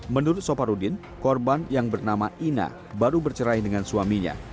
menurut soparudin korban yang bernama ina baru bercerai dengan suaminya